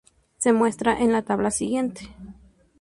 Se muestra en la tabla siguiente.